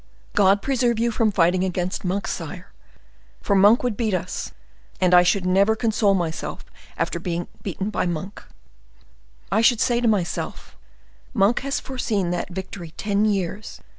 God preserve you from fighting against Monk, sire; for Monk would beat us, and I should never console myself after being beaten by Monk. I should say to myself, Monk has foreseen that victory ten years.